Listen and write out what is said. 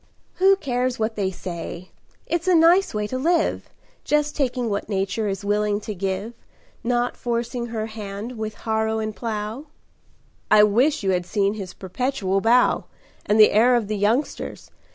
"Who cares what they say? It's a nice way to live, Just taking what Nature is willing to give, Not forcing her hand with harrow and plow." "I wish you had seen his perpetual bow And the air of the youngsters!